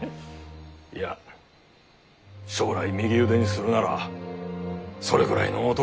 いや将来右腕にするならそれぐらいの男でないと困る。